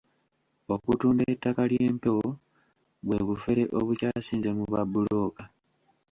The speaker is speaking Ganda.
Okutunda ettaka ly'empewo bwe bufere obukyasinze mu babbulooka.